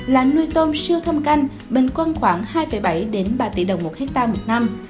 là nuôi tôm siêu thơm canh bình quân khoảng hai bảy ba tỷ đồng một ha một năm